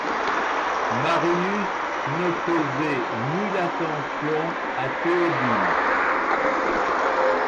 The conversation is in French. Marius ne faisait nulle attention à Théodule.